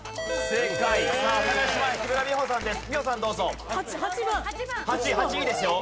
正解です。